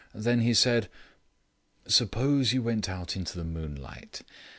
Then he said: "Suppose you went out into the moonlight.